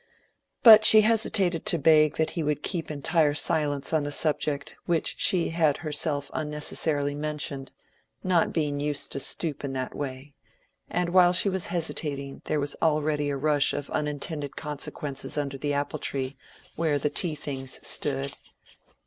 But she hesitated to beg that he would keep entire silence on a subject which she had herself unnecessarily mentioned, not being used to stoop in that way; and while she was hesitating there was already a rush of unintended consequences under the apple tree where the tea things stood.